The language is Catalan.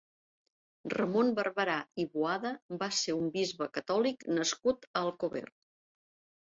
Ramon Barberà i Boada va ser un bisbe catòlic nascut a Alcover.